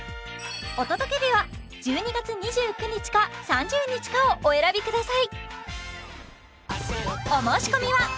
お届け日は１２月２９日か３０日かをお選びください